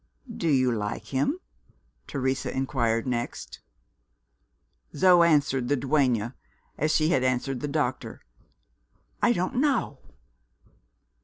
"Do you like him?" Teresa inquired next. Zo answered the duenna as she had answered the doctor: "I don't know."